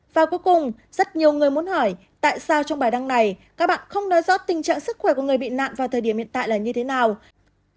và cuối cùng rất nhiều người muốn hỏi tại sao trong bài đăng này các bạn không nói rõ tình trạng sức khỏe của người bị nạn vào thời điểm hiện tại là như thế nào